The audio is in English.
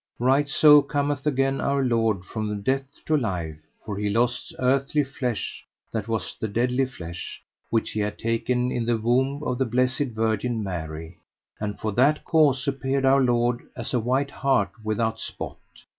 Right so cometh again Our Lord from death to life, for He lost earthly flesh that was the deadly flesh, which He had taken in the womb of the blessed Virgin Mary; and for that cause appeared Our Lord as a white hart without spot.